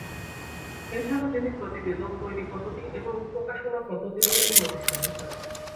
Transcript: এছাড়া তিনি প্রতিবেদন তৈরি পদ্ধতি এবং প্রকাশনা পদ্ধতিরও উন্নতি সাধন করেন।